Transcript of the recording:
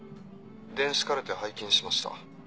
電子カルテ拝見しました。